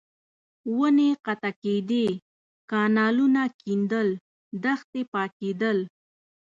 ونې قطع کېدې، کانالونه کېندل، دښتې پاکېدل.